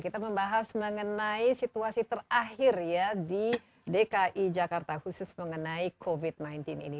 kita membahas mengenai situasi terakhir ya di dki jakarta khusus mengenai covid sembilan belas ini